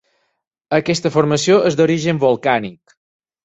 Aquesta formació és d'origen volcànic.